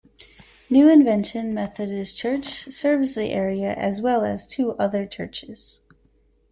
New Invention Methodist Church serves the area as well as two other churches.